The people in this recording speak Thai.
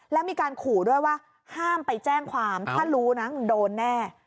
แล้วมีการขู่ด้วยว่าห้ามไปแจ้งความถ้ารู้นะโดนแน่